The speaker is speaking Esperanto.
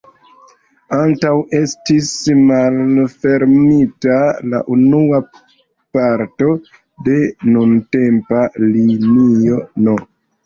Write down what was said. Antaŭ estis malfermita la unua parto de nuntempa linio no.